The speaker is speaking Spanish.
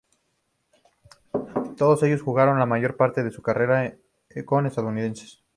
Todos ellos jugaron la mayor parte de su carrera con Estudiantes.